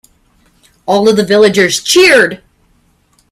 All the villagers cheered.